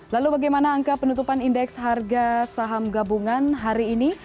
lalu bagaimana angka penutupan indeks harga saham gabungan hari ini